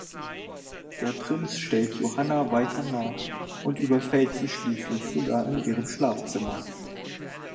Der Prinz stellt Johanna weiter nach und überfällt sie schließlich sogar in ihrem Schlafzimmer.